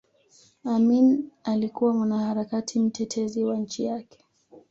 Amin alikuwa mwanaharakati mtetezi wa nchi yake